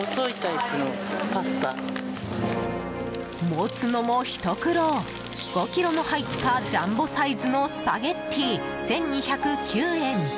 持つのもひと苦労５ｋｇも入ったジャンボサイズのスパゲッティ１２０９円。